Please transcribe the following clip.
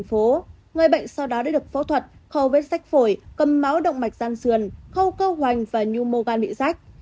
người bệnh sau đó đã được phẫu thuật khâu vết sách phổi cầm máu động mạch gian sườn khâu cơ hoành và nhu mô gan bị rách